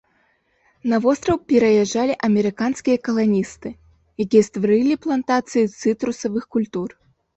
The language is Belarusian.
На востраў пераязджалі амерыканскія каланісты, якія стварылі плантацыі цытрусавых культур.